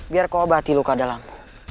biar kau obati luka dalam